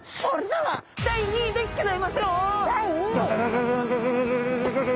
はい。